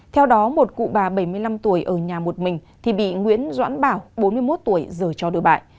theo đó một cụ bà bảy mươi năm tuổi ở nhà một mình thì bị nguyễn doãn bảo bốn mươi một tuổi rời cho đội bại